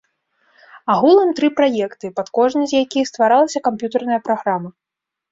Агулам тры праекты, пад кожны з якіх стваралася камп'ютарная праграма.